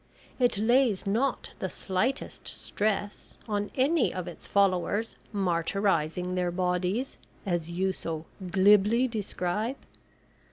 It lays not the slightest stress on any of its followers martyrising their bodies as you so glibly describe.